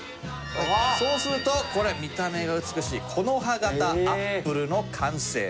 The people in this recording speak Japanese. そうするとこれ見た目が美しい木葉型アップルの完成。